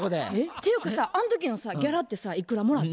ていうかさあの時のギャラってさいくらもらった？